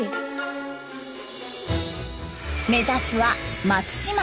目指すは松島。